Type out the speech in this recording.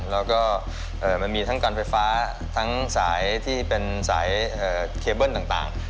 แล้วก็มันมีทั้งการไฟฟ้าทั้งสายที่เป็นสายเคเบิ้ลต่าง